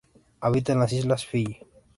Habita en las islas Fiyi.